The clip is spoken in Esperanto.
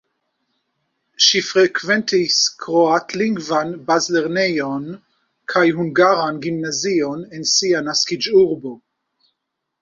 Ŝi frekventis kroatlingvan bazlernejon kaj hungaran gimnazion en sia naskiĝurbo.